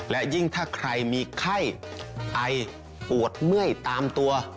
และยิ่งถ้าใครมีไข้ไอปวดเมื่อยตามตัว